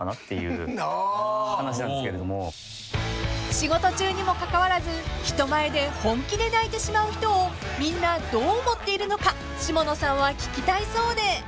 ［仕事中にもかかわらず人前で本気で泣いてしまう人をみんなどう思っているのか下野さんは聞きたいそうで］